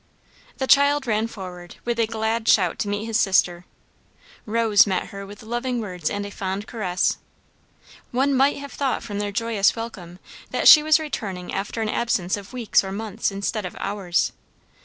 The child ran forward with a glad shout to meet his sister, Rose met her with loving words and a fond caress; one might have thought from their joyous welcome, that she was returning after an absence of weeks or months instead of hours.